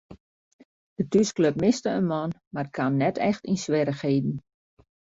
De thúsklup miste in man mar kaam net echt yn swierrichheden.